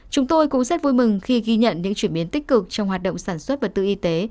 chúng tôi cũng rất vui mừng khi ghi nhận những chuyển biến tích cực trong hoạt động sản xuất vật tư y tế